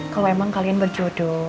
kalau emang kalian berjodoh